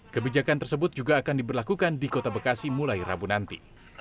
kebijakan tersebut juga akan diberlakukan di kota bekasi mulai rabu nanti